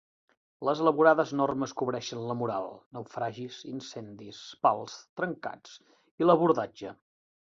Les elaborades normes cobreixen la moral, naufragis, incendis, pals trencats i l'abordatge.